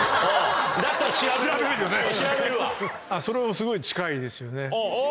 それはすごい近いですよね。